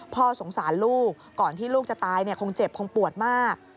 สงสารลูกก่อนที่ลูกจะตายคงเจ็บคงปวดมาก